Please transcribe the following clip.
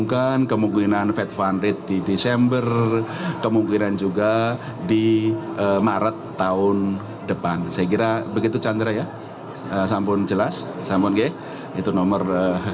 dengan pertumbuhan dana pihak ketiga sekitar